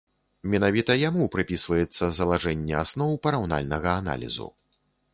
Менавіта яму прыпісваецца залажэнне асноў параўнальнага аналізу.